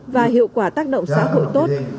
và hiệu quả tác động xã hội tốt